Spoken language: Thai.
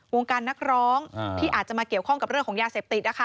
วงการนักร้องที่อาจจะมาเกี่ยวข้องกับเรื่องของยาเสพติดนะคะ